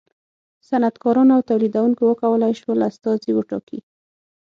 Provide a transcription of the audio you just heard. صنعتکارانو او تولیدوونکو و کولای شول استازي وټاکي.